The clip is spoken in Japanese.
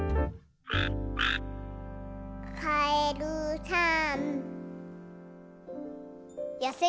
「かえるさん」